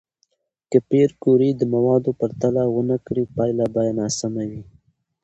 که پېیر کوري د موادو پرتله ونه کړي، پایله به ناسم وي.